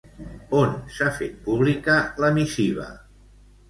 On s'ha fet pública la missiva?